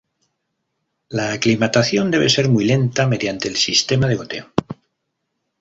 La aclimatación debe ser muy lenta mediante el sistema de goteo.